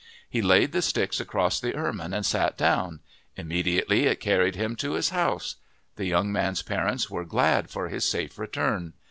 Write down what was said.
He laid the sticks across the ermine and sat down. Immediately it carried him to his house. The young man's parents were glad for his safe return.